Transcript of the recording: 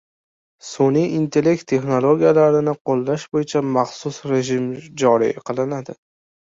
Sun’iy intellekt texnologiyalarini qo‘llash bo‘yicha maxsus rejim joriy qilinadi